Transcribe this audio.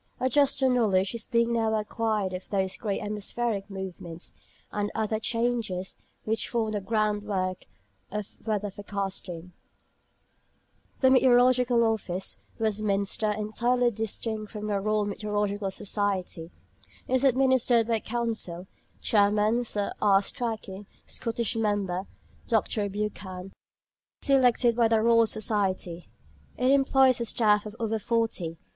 A juster knowledge is being now acquired of those great atmospheric movements, and other changes, which form the groundwork of weather forecasting. The Meteorological Office, Westminster (entirely distinct from the Royal Meteorological Society), is administered by a Council (Chairman, Sir R. Strachey; Scottish member, Dr. Buchan), selected by the Royal Society. It employs a staff of over forty.